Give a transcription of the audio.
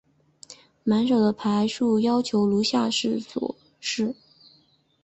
满手的牌数要求如下所示。